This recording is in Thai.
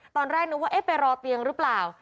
ตอนแรกนึกว่าเอ๊ะไปรอเตียงหรือเปล่า